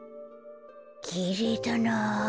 きれいだなあ。